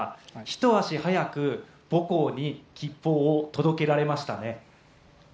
一足早く、母校に吉報を届けられましたね。